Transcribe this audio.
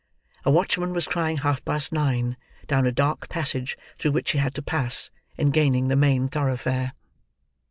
A watchman was crying half past nine, down a dark passage through which she had to pass, in gaining the main thoroughfare.